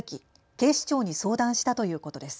警視庁に相談したということです。